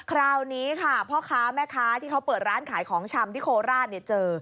คราวนี้ค่ะพ่อค้าแม่ค้าที่เขาเปิดร้านขายของชำที่โคราชเนี่ยเจอ